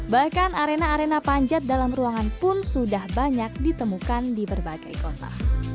bahkan arena arena panjat dalam ruangan pun sudah banyak ditemukan di berbagai kota